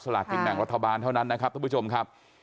๊ะหลักกลิ่นหนังรถบาลเท่านั้นนะครับผู้ชมครับ